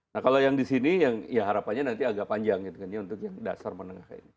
nah kalau yang di sini harapannya nanti agak panjang untuk yang dasar menengah